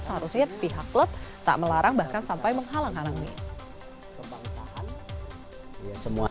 seharusnya pihak klub tak melarang bahkan sampai menghalang halangnya